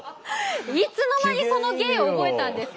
いつの間にその芸覚えたんですか。